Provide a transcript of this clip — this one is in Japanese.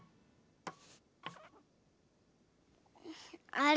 あれ？